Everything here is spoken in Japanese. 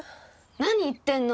何言ってんの！